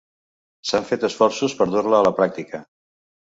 S'han fet esforços per dur-la a la pràctica.